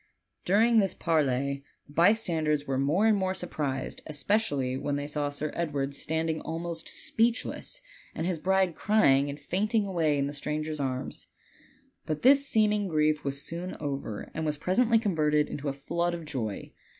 During this parley the bystanders were more and more surprised, especially when they saw Sil 14 OLD, OLD FAIRY TALES. Edward standing almost speechless, and his bride crying and fainting away in the stranger's arms. But this seeming grief was soon over and was presently converted into a flood of joy.